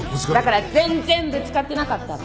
だから全然ぶつかってなかったの。